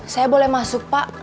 saya boleh masuk pak